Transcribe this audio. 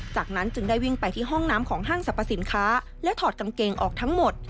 จากนั้นจึงได้วิ่งไปที่ห้องน้ำของห้างสรรพสินค้าและถอดกางเกงออกทั้งหมด